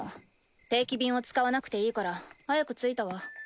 定期便を使わなくていいから早く着いたわ。